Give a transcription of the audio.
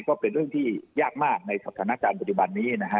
ก็เป็นเรื่องที่ยากมากในสถานการณ์ปัจจุบันนี้นะฮะ